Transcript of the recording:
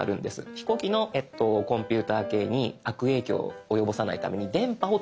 飛行機のコンピューター系に悪影響を及ぼさないために電波を止めます。